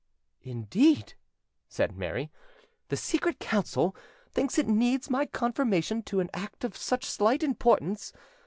"Indeed!" said Mary. "The Secret Council thinks it needs my confirmation to an act of such slight importance?